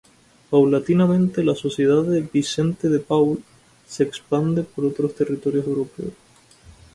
Paulatinamente la Sociedad de Vicente de Paúl, se expande por otros territorios europeos.